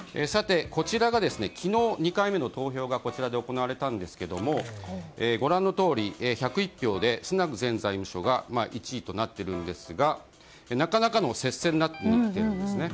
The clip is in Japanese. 昨日、２回目の投票がこちらで行われたんですがご覧のとおり１０１票でスナク前財務相が１位となっているんですがなかなかの接戦になってきているんです。